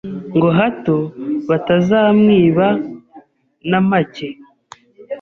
ngo hato batazamwiba namacye